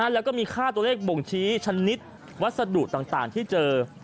แล้วก็มีค่าตัวเลขบ่งชี้ชนิดวัสดุต่างที่เจอ